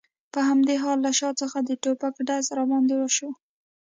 په همدې حال کې له شا څخه د ټوپک ډز را باندې وشو.